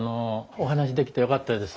お話しできてよかったです。